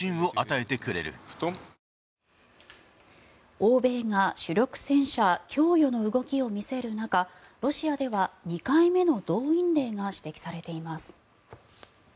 欧米が主力戦車供与の動きを見せる中ロシアでは２回目の動員令が指摘されています。